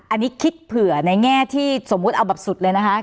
อันนี้คิดเผื่อในแง่ที่สมมุติเอาแบบสุดเลยนะคะ